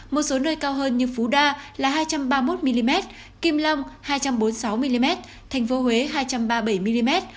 một số nơi cao hơn như phú đa là hai trăm ba mươi một mm kim long hai trăm bốn mươi sáu mm thành phố huế hai trăm ba mươi bảy mm